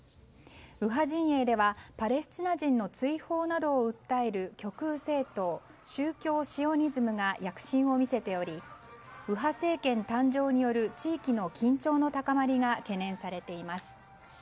右派陣営ではパレスチナ人の追放などを訴える極右政党・宗教シオニズムが躍進を見せており右派政権誕生による地域の緊張の高まりが懸念されています。